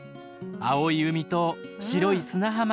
青い海と白い砂浜。